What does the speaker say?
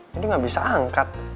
jadi gak bisa angkat